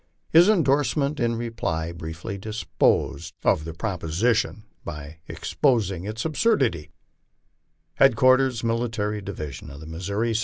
His in dorsement in reply briefly disposed of the proposition by exposing its absurd ity: HEADQUARTERS MILITARY DIVISION OF THE MISSOURI, ST.